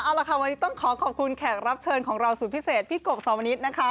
เอาละค่ะวันนี้ต้องขอขอบคุณแขกรับเชิญของเราสุดพิเศษพี่กบสาวนิดนะคะ